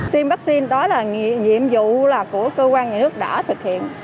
tiêm vaccine đó là nhiệm vụ của cơ quan nhà nước đã thực hiện